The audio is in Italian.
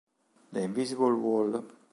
The Invisible Wall